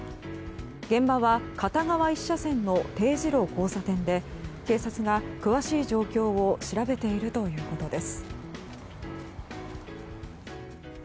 現場は片側１車線の丁字路交差点で警察が詳しい状況を調べているということです。